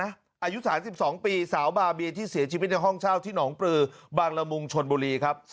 อายุ๓๒ปีสาวบาเบียที่เสียชีวิตในห้องเช่าที่หนองปลือบางละมุงชนบุรีครับ